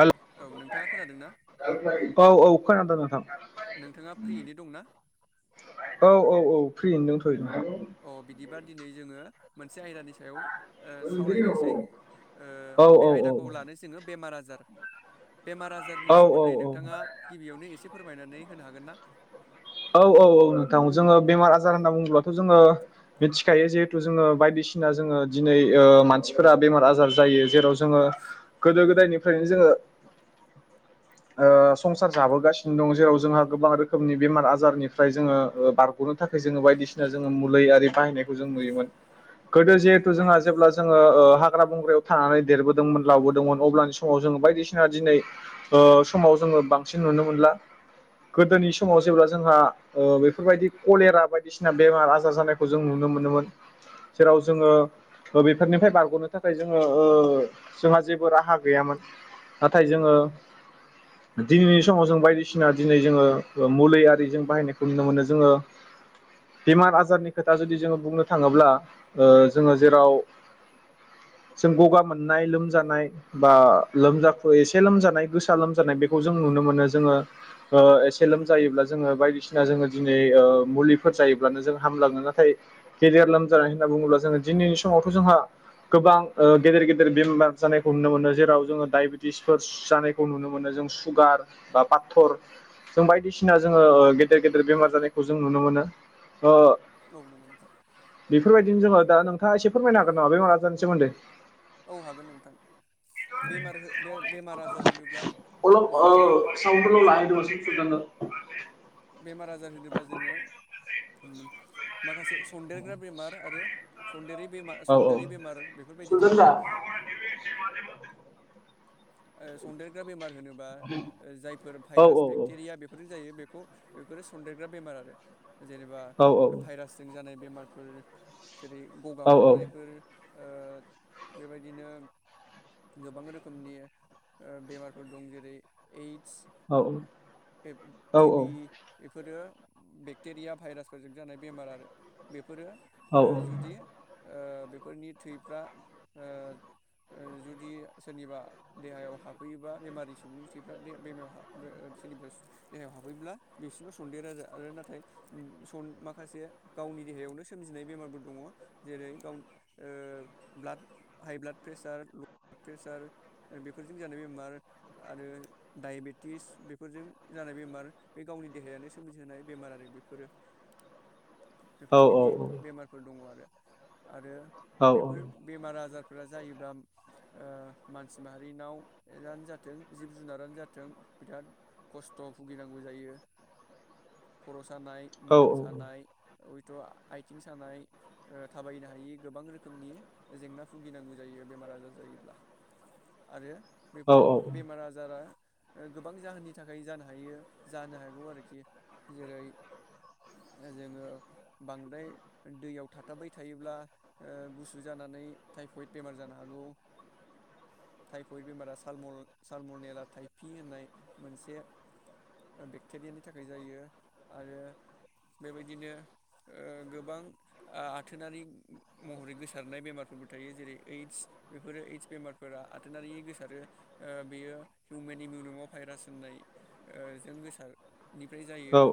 हेल' औ औ। खोनादों नोंथां। नोंथाङा फ्रियैनो दंना? फ्रियैनो दथ'योमोन। अ बिदिबा दिनै जोङो मोन मोनसे आयदानि सायाव ओ सावरायनोसै ओ बे आयदाखौ लानो जोङो बेमार आजार बेमार आजारनि सोमोन्दै नोंथाङा गिबियावनो एसे फोरमायनानै होनो हागोनना? औ औ औ नोंथां जोङो बेमार आजार होनना बुङोबाथ' जोङो मिथिखायो जिहेथु जोङो बायदिसिना जोङो दिनै मानसिफोरा बेमार आजार जायो जेराव जोङो गोदो गोदायनिफ्रायनो जोङो ओ संसार जाबोगासिनो दं जेराव जोंहा गोबां रोखोमनि बेमार आजार बारनिफ्राय जों बारग'नो जोङो बायदिसिना जोङो मुलि आरि बाहायनायखौ जों नुयोमोन गोदो जिहेथु जोंहा जेब्ला जोङो ओ हाग्रा बंग्रायाव थानानै देरबोदोंमोन लावबोदोंमोन अब्लानि समाव जोङो बायदिसिना दिनै समाव जोङो बांसिन नुनो मोनला। गोदोनि समाव जेब्ला जोंहा ओ बेफोरबायदि कलेरा बायदिसिना बेमार आजार जानायखौ जों नुनो मोनोमोन जेराव जों बेफोरनिफ्राय बार गनो थाखाय जोङो ओ जोंहा जेबो राहा गैयामोन नाथाय जोङो दिनैनि समाव जों बायदिसिना दिनै जोङो मुलि आरो जों बाहायनायखौ नुनो मोनो जोङो बेमार आजारनि खोथा जुदि जोङो बुंनो थाङोब्ला ओ जोङो जेराव जों गगा मोननाय लोमजानाय बा लोमजाख्रु एसे लोमजानाय गोसा लोमजानाय बेखौ जों नुनो मोनो जोङो एसे लोमजायोब्ला जों बायदिसिना दिनै ओ मुलिफोर जायोब्लानो जों हामलांङो नाथाय गेदेर लोमजानाय होननानै बुङोबा जों दिनैनि समाव गोबां गिदिर गेदेर बेमार जानायखौ नुनो मोनो जेराव जों दायबिटिस जानायखौ नुनो मोनो सुगार बा पाटर बायदिसिना गेदेर गेदेर बेमार जानायखौ जों नुनो मोनो। ओ बेफो फोरबायदि जोङो दा नोंथां एसे फोरमायना हागोन नामा बेमार आजारनि सोमोन्दै? अलप ओ साउनद ति अलप लाहे दिब' सुन [inaudible] बेमार आजार होनोब्ला जोङो उम माखासे सनदेरग्रा बेमार आरो सन्देरै बेमार बेफोरबायदि थायो। सन्देरग्रा बेमार होनोबा जायफोर भाइरास बेक्टेरिया बेफोरजों जायो बे खौ बेफोरो सन्देरग्रा बेमार आरो। जेनेबा भाइरासजों जानाय बेमार। बेफोर। जेरै गगा मोननायफोर बेबायदिनो गोबां रोखोमनि बेमारफोर दं जेरै ओइ टिभि बेफोरो बेक्टेरिया भाइरासफोरजों जानाय बेमार आरो बे बेफोरो जुदि बेफोरनि थैफ्रा जुदि सोरनिबा देहायाव हाबफैयोबा बेमारि सुबुंनि थफ्रा बेम सोरनि देहायाव हाबहैयोब्ला बिसोरनो सनन्देरो आरो नाथाय माखासे गावनि देहायावनो सोमजिनाय बेमारबो दंङ जेरै गाव हाइ ब्लाड प्रेसार ल' प्रेसार बेफोरजों जानाय बेमार आरो दायबेटिस बेफोरजों जानाय बेमार बे गावनि देहायानो सोमजिहोनाय बेमार आरो बेफोरो बेफोरबायदि बेमारफोर दंङ आरो आरो बेफोर बेमार आजार जायो मानसि माहारिनावानो जाथों जिब जुनारानो जाथों बिराद खस्थ' भुगिनांगौ जायो खरस सानाय मोदोम सानाय थ' आथिं सानाय थाबायनो हायि गोबां रोखोमनि जेंना भुगिनांगौ जायो बेमार - आजार जायोब्ला आरो बेफोर बेमार आजारा गोबां जाहोननि थाखाय जानो हायो जानो हागौ आरोखि जेरै जोंङो बांद्राय दैयाव थाथाबाय थायोब्ला गुसु जानानै टाइफयद बेमार जानो हागौ थाइफयड बेमारा साल सालमरनला थाइफि होननाय मोनसे बेक्टेरियानि थाखाय जायो आरो बेबायदिनो गोबां आथोनारि महरै गोसारनाय बेमारफोरबो थायो जेरै ओइदस बेफोरो ओदस बेमारफोरा आथोनारि गोसारो बेयो हिउमेन इमिउनाव भाइरास होननाय जों गोसार निफ्राय जायो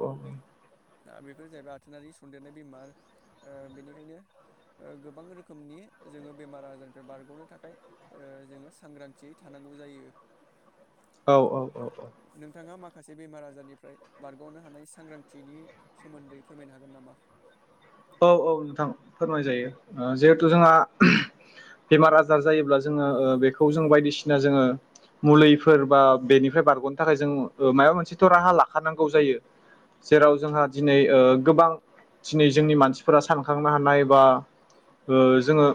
बेफोर जाहैबाय आथोनारि सनन्देरनाय बेमार बेनिखायनो गोबां रोखोमनि जोंङो बेमार आजारनिफ्राय बारग'नो थाखाय जोंङो सांग्रांथियै थानांगौ जायो औ - औ नोंथांङा मा माखासे बेमार आजारनिफ्राय बारग'नो हानाय सांग्रांथिनि सोमोन्दै फोरमायनो हागोन नामा औ - औ नोंथां फोरमायजायो जिहेथु जोंहा बेमार आजार जायोब्ला जोंङो बेखौ जों बायदिसिना जोंङो मुलिफोर बा बेनिफ्राय बारग'नो थाखाय जों माबा मोनसेथ' राहा लाखानांगौ जायो जेराव जोंहा दिनै गोबां दिनै जोंनि मानसिफोरा सानखांनो हानाय बा जोङो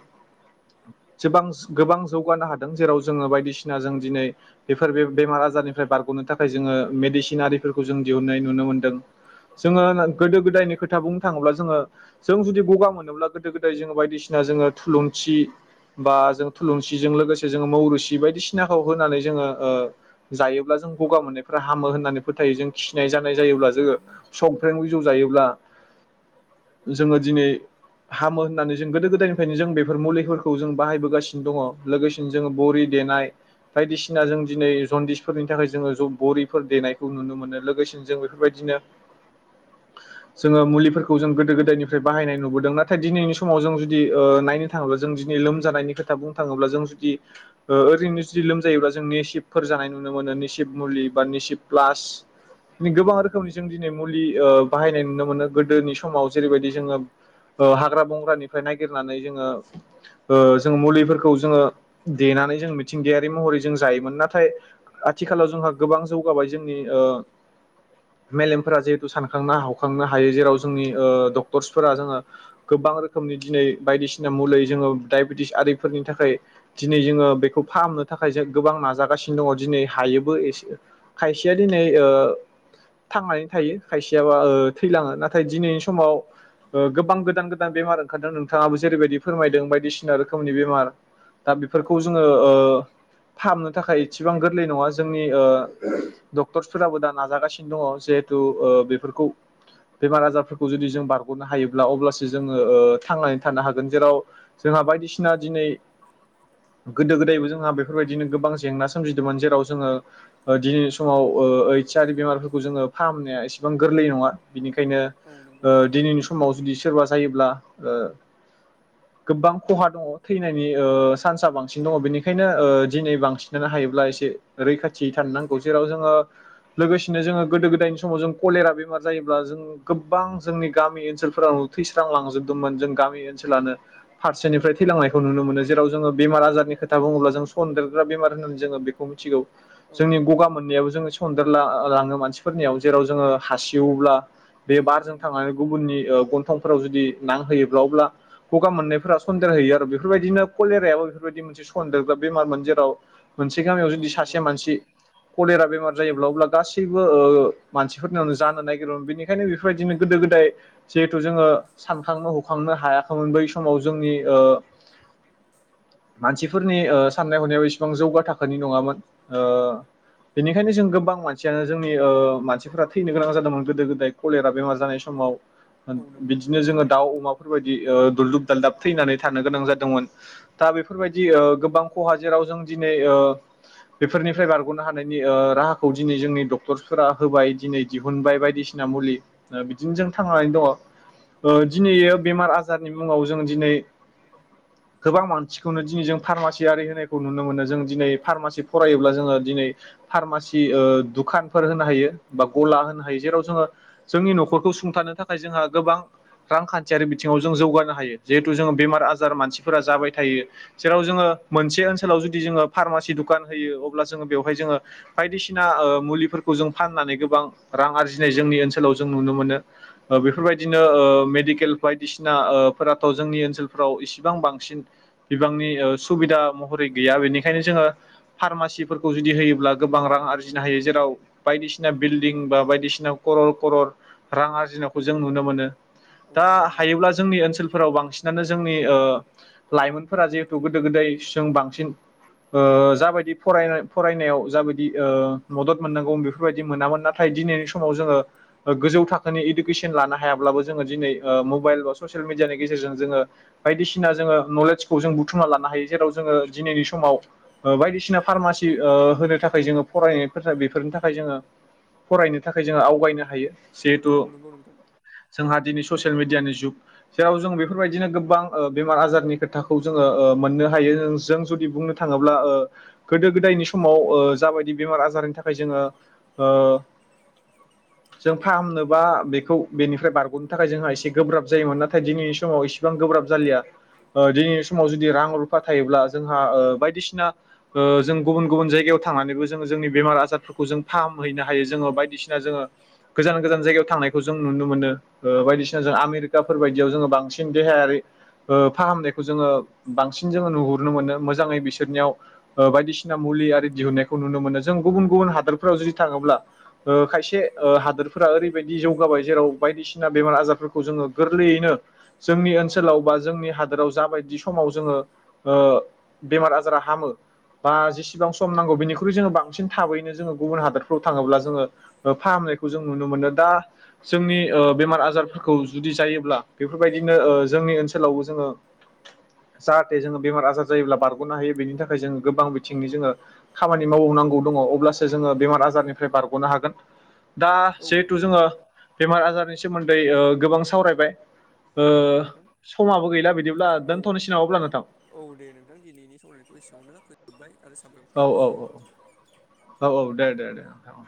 गोबां जौगानो हादों जेराव जो बायदिसिना जों दिनै बेफोर बे बेमार आजारनिफ्राय बारग'नो थाखाय जोंङो मेदिसिनारिफोरखौ जों दिहुननाय नुनो मोनदों जोंङो गोदो गोदायनि खोथा बुंनो थांङोब्ला जोङो जों जुदि गगा मोनोब्ला गोदो - गोदाय जोङो बायदिसिना जोङो थुलुंसि बा जों थुलुंसिजों लोगोसे जोङो मौरुसि बायदिसिनाखौ होनानै जोंङो जायोब्ला जों गगा मोननायफोरा हामो होननानै फोथायो जों खिनाय जानाय जायोब्ला जोंङो संफ्रें बिजौ जायोब्ला जोङो दिनै हामो होननानै जों गोदो- गोदायनिफ्रायनो जों बेफोर मुलिफोरखौ जों बाहायबोगासिनो दङ लोगोसेनो जोङो बरि देनाय बायदिसिना जों दिनै जनदिसफोरनि थाखाय जोंङो बरिफोर देनायखौ नुनो मोनो लोगोसेनो जों बेफोरबायदिनो जोंङो मुलिफोरखौ जों गोदो -गोदायनिफ्राय बाहायनाय नुबोदों नाथाय दिनैनि समाव जों जुदि नायनो थाङोब्ला जों दिनै लोमजानायनि खोथा बुंनो थांङोब्ला जों जु जायो जानाय नुनो गोबांनि बायनाय ननो मोननि जेरैबायदि ओ हाग्रा फ्राय नागिरनानै जोंङ जो मुलिफोरखौ जोंङो देनानै जों मिथिंगायारि महरै जों जायोमोन नाथाय आथिखालाव जोंहा गोबां जौगाबाय जोंनि मेलेमफोराेथु सानखांनो हखांनो हायो जेराव ज डक्टरसफोरा जोंङो गोबां रोखोमनि रोखोमनि दिनै बायदिसिना मुलि जोङो डायबेटिस आरिफोरनि थाखाय दिनै जोंङो बेखौ फाहामनो थाखाय गोबां नाजागासिनो दंङ दिनै हायोबो एसे खायसेया दिनै थांनानै थायो खायसेाबा थैलाङो नाथाय नाथाय दिनैनि समाव ओ गोबां गोदान - गोदान बेमार ओंखारदों नोंथाङाबो जेरैबायदि फोरमायदों बायदिसिना रोखोमनि बेमार दा बेफोरखौ जोङो ओ फाहामनो थाखाय एसेबां गोरलै नङा जोंनि ओ डक्टरसफोराबो दा नाजागासिनो दङ जिहेथु ओ बेफोरखौ बेमार आदार फोरखौ जुदि जों बारग'नो हायोब्ला अब्लासो जोङो ओ थांनानै थानो हागोन जेराव जोंहा बायदिसिना दिनै गोदो गोदायबो जोंहा बेफोरबायदिनो गोबां जेंना सोमजिदोंमोन जेराव जोङो दिनैनि समाव ओइतस आरि बेमारफोरखौ जोङो फाहामनाया एसेबां गोरलै नङा। ओ। ओ दिनैनि समाव जुदि सोरबा जायोब्ला ओ। गोबां खहा दङ थैनायनि सान्स ओ बांसिन दङ बेनिखायनो ओ दिनै बांसिनानो हायोब्ला एसे रैखाथि थानो नांगौ जेराव जोङो लोगोसेनो जोङो गोदो गोदायनि समाव जों कलेरा बेमार जायोब्ला जों गोबां जोंनि गामि ओनसोलफोराव थैस्रां लांजोबदोंमोन जों गामि ओनसोलानो फार से निफ्राय थैलांनायखौ नुनो मोनो जेराव जोङो बेमार आजारनि खोथा बुङोब्ला जों सन्देरग्रा बेमार होननानै जोङो बेखौ मिथिगौ जोंनि गगा मोननायाबो जोङो सेन्देरला ला ङो मानसिफोरनियाव जेराव जोङो हासि दिउब्ला बे बारजों थांनानै गुबुननि ओ गन्थं फोराव जुदि नां होयोब्ला अब्ला गगा मोननायफोरा सन्देर होयो आरो बेफोरबायदिनो कलेरिायाबो बेफोरबायदि मोनसे सन्देरग्रा बेमारमोन जेराव मोनसे गामियाव जुदि सासे मानसि कलेरा बेमार जायोब्ला अब्ला गासैबो ओ मानसिफोर नावनो जा नोगिरो बिनिखायनो बेफोरबायदिनो गोदो गोदाय जेहेथु जोङो सानखांनो हखांनो हायै बै समाव जोंनि ओ मानसिफोरनि ओ साननाय हनायाबो इसेबां जौगा थाखोनि नङामोन। ओ बेनिखायनो जों गोबां मानसियानो जोंनि ओ मानसिफोरा थैनो गोनां जा दोंमोन गोदो गोदाय कलेरा बेमार जानाय समाव। बिदिनो जोङो दाउ अमाफोर बायदि ओ दुलदुब दाल दाब थैनानै थांनो गोनां जादोंमोन। दा बेफोरबायदि ओ गोबां खहा ओ जेराव जों दिनै ओ बेफोरनिफ्राय बारग'नो हानायनि ओ राहाखौ दिनै जोंनि डक्टरसफोरा होबाय। उनबाय बायदिसिना मुलि ओ बिदिनो जों थांनानै दङ ओ दिनैयो बेमार आजारनि मुङाव जों दिनै गोबां मानसिखौनो दिनै जों फार्मासि‌आरि होनायखौ नुनो मोनो जों दिनै फार्मासि फरायोब्ला जोङो दिनै फार्मासि ओ दुखानफोर होनो हायो बा गला हो नो हायो। जेराव जोङो जोंनि न'खरखौ सुंथानो थाखाय जोंहा गोबां रांखान्थियारि बिथिङाव जों जौगानो हायो। जेहेथु जों बेमार आजार मानसिफोरा जाबाय थायो जेराव जोङो मोनसे ओनसोलाव जुदि जोङो फार्मासि दुखान होयो अब्ला जोङो बेवहाय जोङो बायदिसिना ओ मुलिफोरखौ जों फाननानै गोबां रां आरजिनाय जोंनि ओनसोलाव जों नुनो मोनो ओ बेफोरबायदिनो ओ मेडिकेल बायदिसिना ओ ओ फोराथ' जोंनि ओनसोलफोराव इसेबां बांसिन बिबांनि ओ सुबिदा महरै गैया बेनिखायनो जोङो फार्मासिफोरखौ जुदि होयोब्ला गोबां रां आरजिनो हायो। जेराव बायदिसिना बिल्डिं बायदिसिना ‌क्रर क्रर रां आरजिनायखौ जों नुनो मोनो। दा हायोब्ला जोंनि ओनसोलफोराव बांसिनानो जोंनि ओ लाइमोनफोरा जिहेथु गोदो गोदाय जों बांसिन ओ जाबायदि फरायनाय फरायनायाव जाबायदि ओ मदद मोननांगौ बेफोरबायदि मोनामोन ना थाय दिनैनि समाव जोङो ओ ‌गोजौ थाखोनि एदुकेसन लानो हायाब्लाबो जोंङो दिनै ओ मबाइल बा ससियेल मिडियानि गेजेरजों जोङो बायदि सिना जोङो नलेजखौ जों बुथुमना लानो हायो। जेराव जोङो दिनैनि समाव ओ बायदिसिना फार्मासि ओ होनो थाखाय जोङो फरायनायफोर बेफोरनि थाखाय जोङो फरायनो थाखाय जोङो आवगायनो हायो जिहेथु जोंहा दिनै सु ससेल मेडियानि जुग जेराव जों बेफोरबायदिनो गोबां ओ बेमार आजारनि खोथाखौ जोङो ओ मोननो हायो जों जुदि बुंनो थाङोब्ला ओ गोदो गोदायनि समाव ओ जाबायदि बेमार आजारनि थाखाय जोङो ओ जों फाहामनोबा बेखौ बेनिफ्राय बारग'नो थाखाय जोंहा एसे गोब्राब जायोमोन नाथाय दिनैनि समाव इसेबां गोब्राब जालिया। ओ दिनैनि समाव जुदि रां रुफा थायोब्ला जोंहा ओ बायदिसिना ओ जों गुबुन गुबुन जायगायाव थांनानैबो जोङो जोंनि बेमार आजारफोरखौ जों फाहामहैनो हा जोंङो बायदिसिना जोंङो गोजान गोजान जायगायाव थांनायखौ जों नुनोमोनो ओ बायदिसिना आमेरकाफोर बायदियाव जों बांसिन देहायारि ओ फाहामनायखौ जोङो बांसिन जोङो नुहुरनो मोनो मोजाङै बिसोरनियाव ओ बायदिसिना मुलि आरि दिहुनन्नायखौ नुनो मोनो जों गुबुन गुबुन हादरफ्राव जुदि थाङोब्ला। ओ खायसे ओ हादोरफोरा ओरैबायदि एवगाबाय जेराव बायदिसिना बेमार आजारफोरखौ जोङो गोरलैयैनो जोंनि ओनसोलाव बा जोंनि जाबायदि समाव जोङो ओ बेमार आजारा हामो बा जेसेबां सम नांगौ बिनिख्रुइ जोङो बांसिन थाबैनो जोङो गुबुन हादरफ्राव थाङोब्ला जोंङो ओ फाहामनायखौ जों नुनो मोनो दा जोंनि ओ बेमार आजार फोरखौ जुदि जायो। ब्ला बेफोरबायदिनो ओ जोंनि ओनसोलावबो जोङो। जाहाथे जोङो बेमार आजार जायोब्ला बारग'नो हायो बेनि थाखाय जोङो गोबां बिथिंनि जोङो खामानि मावनांगौ दङ अब्लासो जोङो बेमार आजारनि फ्राय बारग'नो हागोन दा जिहेथु जोङो बेमार आजारनि सोमोन्दै ओ गोबां सावरायबाय। औ नंगौ नोंथां औ औ दे नोंथां दिनैनि सावरायनायखौ एसेयावनो फोजोबबाय आरो सा औ औ औ औ औ दे दे दे। औ